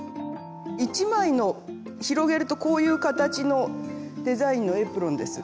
１枚の広げるとこういう形のデザインのエプロンです。